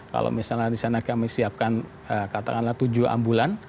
kalau misalnya di sana kami siapkan katakanlah tujuh ambulan